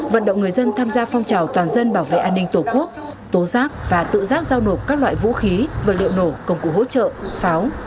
vận động người dân tham gia phong trào toàn dân bảo vệ an ninh tổ quốc tố giác và tự giác giao nộp các loại vũ khí vật liệu nổ công cụ hỗ trợ pháo